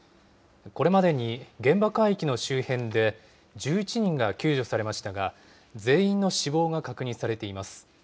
これまでに現場海域の周辺で、１１人が救助されましたが、全員の死亡が確認されています。